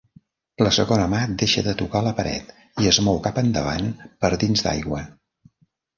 La segona mà deixa de tocar la paret i es mou cap endavant per dins d'aigua.